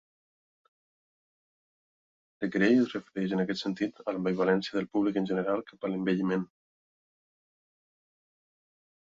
De Grey es refereix, en aquest sentit, a l'ambivalència del públic en general cap a l'envelliment.